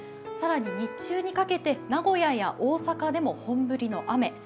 更に日中にかけて名古屋や大阪でも本降りの雨。